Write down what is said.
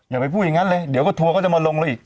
อย่าไปพูดอย่างนั้นเลยเดี๋ยวก็ทัวร์ก็จะมาลงเราอีก